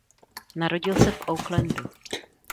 Narodil se v Aucklandu.